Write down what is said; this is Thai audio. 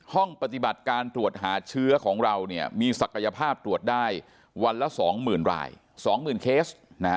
ห้องปฏิบัติการตรวจหาเชื้อของเรามีศักยภาพตรวจได้วันละ๒๐๐๐ราย๒๐๐๐เคส